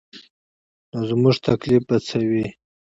نو زموږ تکلیف به څه وي.